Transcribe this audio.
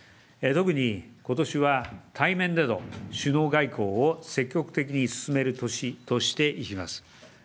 特にことしは対面での首脳外交を積極的に進める年としていきます。